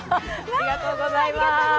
ありがとうございます。